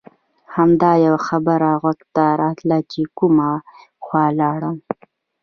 همدا یوه خبره غوږ ته راتله چې کومه خوا لاړل.